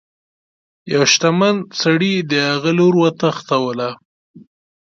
یوه شتمن سړي د هغه لور وتښتوله.